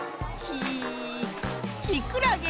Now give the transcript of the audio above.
きくらげ。